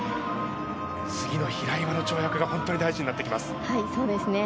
次の平岩の跳躍が本当に大事になってきます。